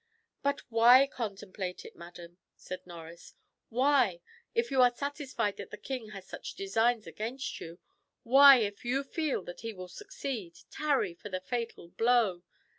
"But why contemplate it, madam?" said Norris; "why, if you are satisfied that the king has such designs against you why, if you feel that he will succeed, tarry for the fatal blow?